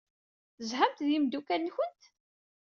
Tezhamt ed yimeddukal-nwent?